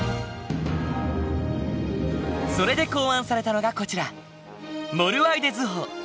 それで考案されたのがこちらモルワイデ図法。